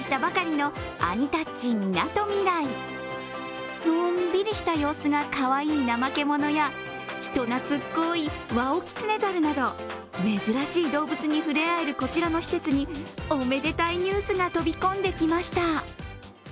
のんびりした様子がかわいいナマケモノや人懐っこいワオキツネザルなど珍しい動物に触れ合えるこちらの施設におめでたいニュースが飛び込んできました。